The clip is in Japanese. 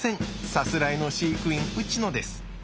さすらいの飼育員ウチノです。